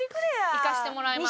行かせてもらいます。